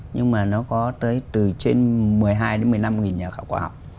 nhưng mà nó có tới từ trên một mươi hai đến một mươi năm nhà khảo cổ học